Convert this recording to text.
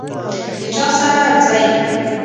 د چا سره ځئ؟